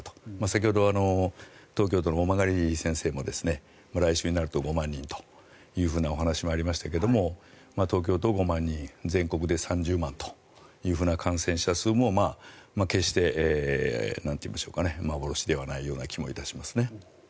先ほど、東京都の大曲先生も来週になると５万人というお話もありましたが東京は５万人、全国では３０万人という感染者数も決して幻ではないような気もいたします。